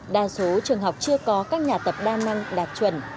đa số trường học chưa có các nhà tập đa năng đạt chuẩn